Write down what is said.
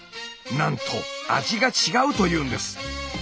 なんと味が違うと言うんです。